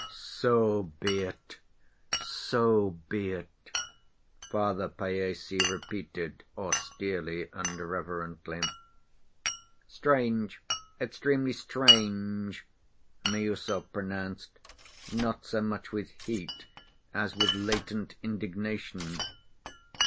"So be it, so be it!" Father Païssy repeated austerely and reverently. "Strange, extremely strange!" Miüsov pronounced, not so much with heat as with latent indignation.